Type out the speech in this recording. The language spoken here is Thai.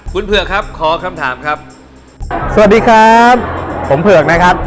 คุณเผือกครับขอคำถามครับสวัสดีครับผมเผือกนะครับ